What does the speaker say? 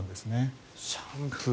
シャンプー